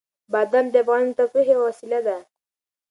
بادام د افغانانو د تفریح یوه وسیله ده.